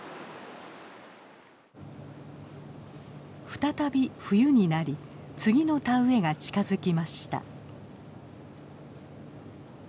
再び冬になり次の田植えが近づきました。